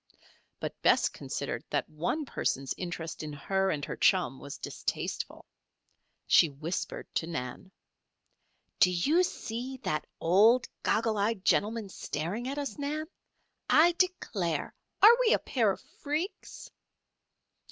But Bess considered that one person's interest in her and her chum was distasteful. She whispered to Nan. "Do you see that old, goggle eyed gentleman staring at us, Nan? I declare! Are we a pair of freaks?"